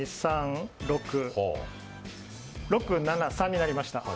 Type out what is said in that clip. ６７３になりました。